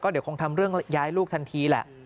เดี๋ยวคงทำเรื่องย้ายลูกทันทีแหละ